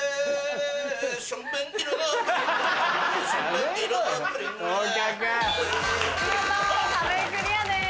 見事壁クリアです。